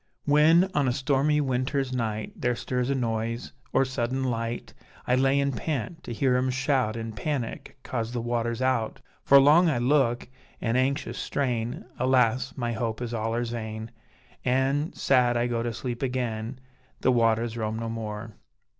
When, on a stormy winter's night There stirs a noise, or sudden light, I lay an' pant, to hear 'em shout In panic 'coz the water's out; For long I look, an' anxious strain; Alas! my hope is allers vain, An' sad I go to sleep again: The waters roam no more.